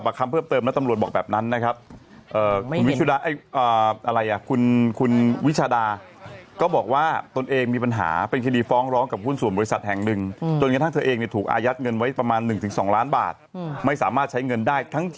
เขาบอกตั้งแต่แยกแคลร์ไลน์เหรอไหมคะ